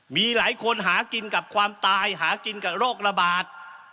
มีหลายคนหากินกับความตายหากินกับโรคระบาด